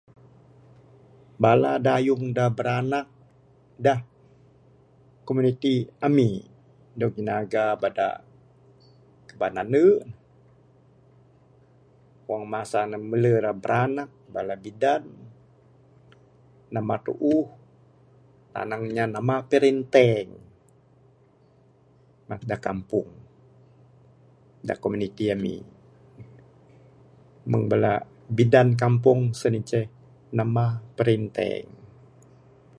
Bala dayung da biranak da komuniti amik dog jinaga bada kaban andu. Wang masa ne melu rak biranak, bala bidan, namba tuuh. Tanang nya namba tirinteng nak dak kampung, da komuniti amik. Mung bidan kampung sen seh, namba pirinteng.